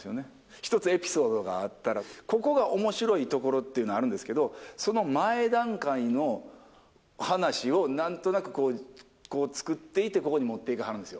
１つエピソードがあったら、ここがおもしろいところっていうのがあるんですけど、その前段階の話をなんとなく作っていって、ここに持っていきはるんですよ。